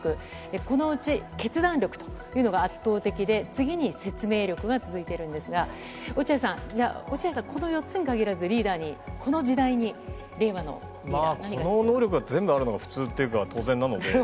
このうち、決断力というのが圧倒的で、次に説明力が続いているんですが、落合さん、じゃあ、落合さん、この４つに限らず、リーダーにここの能力は全部あるのが普通っていうか、当然なので。